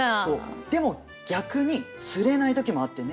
でも逆に釣れない時もあってね